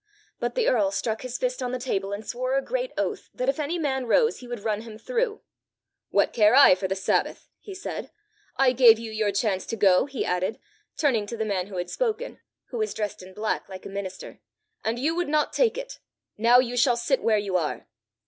But the earl struck his fist on the table, and swore a great oath that if any man rose he would run him through. 'What care I for the Sabbath!' he said. 'I gave you your chance to go,' he added, turning to the man who had spoken, who was dressed in black like a minister, 'and you would not take it: now you shall sit where you are.